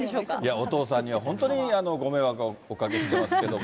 お父さんには、本当にご迷惑をおかけしていますけれども。